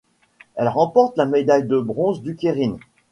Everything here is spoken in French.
Elle remporte la médaille de bronze du keirin.